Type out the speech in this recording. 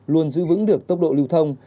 luôn giữ vững được tốc độ lưu thông